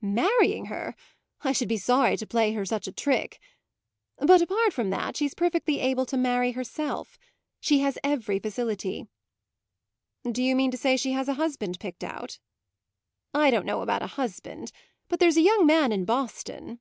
"Marrying her? I should be sorry to play her such a trick! But apart from that, she's perfectly able to marry herself. She has every facility." "Do you mean to say she has a husband picked out?" "I don't know about a husband, but there's a young man in Boston